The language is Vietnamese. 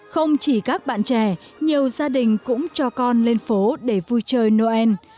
không chỉ các bạn trẻ nhiều gia đình cũng cho con lên phố để vui chơi noel